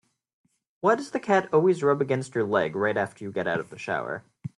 Why does the cat always rub against your leg right after you get out of the shower?